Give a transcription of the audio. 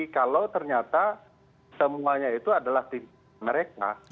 kalau ternyata semuanya itu adalah tim mereka